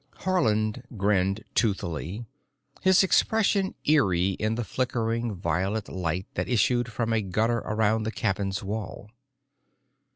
Haarland grinned toothily, his expression eerie in the flickering violet light that issued from a gutter around the cabin's wall.